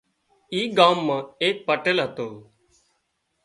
اي ڳام مان ايڪ پٽيل هتو